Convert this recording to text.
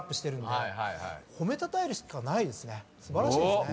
素晴らしいですね。